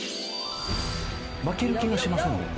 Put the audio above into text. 負ける気がしませんね。